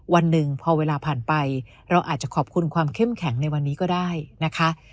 วันหนึ่งพอเวลาผ่านไปเราอาจจะขอบคุณความเข้มแข็งในวันนี้ก็ได้นะคะ